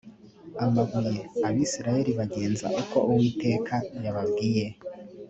amabuye abisirayeli bagenza uko uwiteka yababwiye